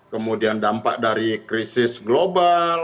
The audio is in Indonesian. kemudian dampak dari krisis global